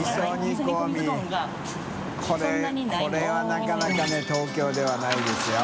なかなかね東京ではないですよ。